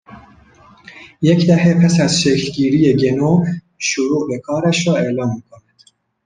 یک دهه پس از شکلگیری گنو، شروع به کارش را اعلام میکند